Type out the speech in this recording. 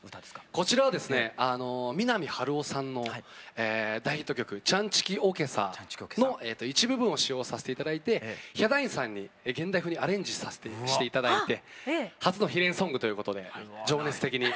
こちらはですね三波春夫さんの大ヒット曲「チャンチキおけさ」の一部分を使用させて頂いてヒャダインさんに現代風にアレンジして頂いて初の悲恋ソングということで情熱的に！